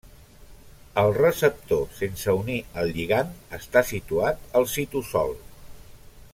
El receptor sense unir al lligand està situat al citosol.